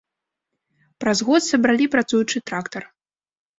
Праз год сабралі працуючы трактар.